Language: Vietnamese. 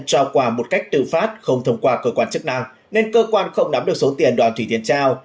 cho quà một cách tự phát không thông qua cơ quan chức năng nên cơ quan không nắm được số tiền đoàn thủy tiên trao